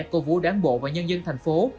cố vũ đáng bộ và nhân dân thành phố